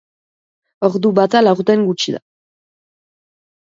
Ordu bata laurden gutxi da